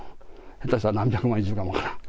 下手したら何百万以上かもしれん。